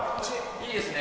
いいですね。